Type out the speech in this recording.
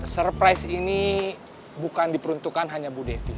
surprise ini bukan diperuntukkan hanya bu devi